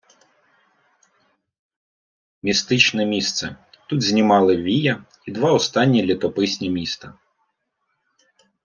Містичне місце: тут знімали "Вія" І два останні літописні міста.